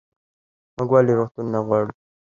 موږ ولې روغتونونه غواړو؟